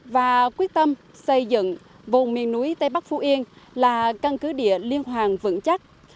và quyết tâm xây dựng vùng miền núi tây bắc phú yên là căn cứ địa liên hoàng vững chắc